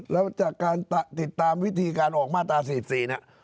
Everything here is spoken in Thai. แล้วจากการติดตามวิธีการออกมาตรา๔๔เนี่ย